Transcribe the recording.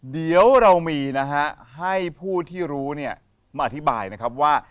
เดี๋ยวเรามีนะฮะให้ผู้ที่รู้เนี่ยมาอธิบายนะครับว่า